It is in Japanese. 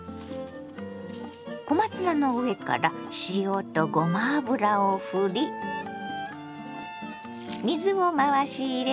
小松菜の上から塩とごま油をふり水を回し入れます。